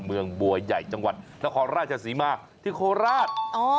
เมืองบัวใหญ่จังหวัดนครราชศรีมาที่โคราช